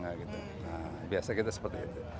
nah biasa kita seperti itu